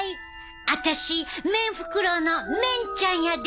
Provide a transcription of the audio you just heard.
私メンフクロウのメンちゃんやで！